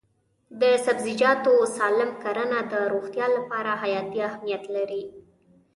د سبزیجاتو سالم کرنه د روغتیا لپاره حیاتي اهمیت لري.